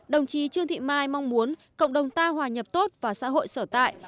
đồng chí trương thị mai mong muốn cộng đồng ta hòa nhập tốt và xã hội sở tại